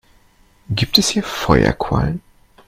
Gibt es hier Feuerquallen?